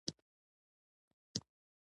کتاب د روښنايي وسیله ده.